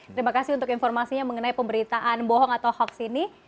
terima kasih untuk informasinya mengenai pemberitaan bohong atau hoax ini